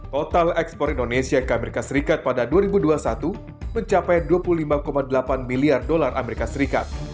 total ekspor indonesia ke amerika serikat pada dua ribu dua puluh satu mencapai dua puluh lima delapan miliar dolar amerika serikat